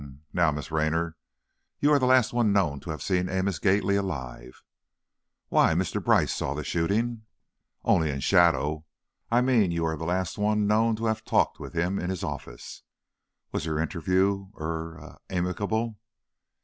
"H'm. Now, Miss Raynor, you are the last one known to have seen Amos Gately alive." "Why, Mr. Brice saw the shooting!" "Only in shadow. I mean you are the last one known to have talked with him in his office. Was your interview er, amicable?"